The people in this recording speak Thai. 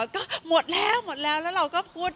ก็หมดแล้วแล้วเราก็พูด